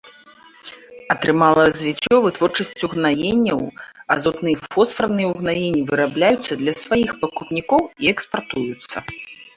Атрымала развіццё вытворчасць угнаенняў, азотныя і фосфарныя ўгнаенні вырабляюцца для сваіх пакупнікоў і экспартуюцца.